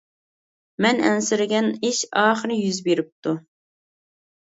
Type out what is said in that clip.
مەن ئەنسىرىگەن ئىش ئاخىرى يۈز بېرىپتۇ.